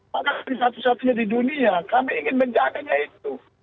maka satu satunya di dunia kami ingin menjaganya itu